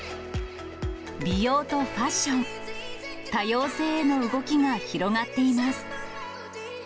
美容とファッション、多様性への動きが広がっています。